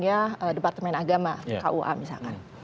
misalnya departemen agama kua misalkan